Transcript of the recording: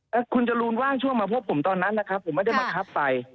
และคุณจรูนว่างช่วงมาพบผมตอนนั้นผมไม่ได้มาขับไป